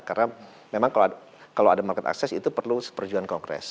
karena memang kalau ada market access itu perlu seperjuan kongres